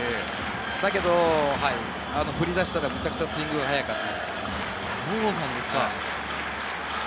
だけど振り出したら、めちゃくちゃスイングが速かったです。